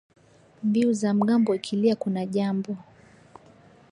Mbiu za mgambo ikilia kuna jambo